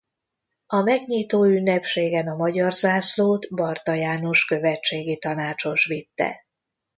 A megnyitóünnepségen a magyar zászlót Bartha János követségi tanácsos vitte.